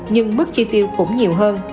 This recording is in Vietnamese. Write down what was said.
nhưng mức chi tiêu cũng nhiều hơn